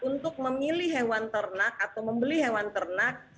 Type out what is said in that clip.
untuk memilih hewan ternak atau membeli hewan ternak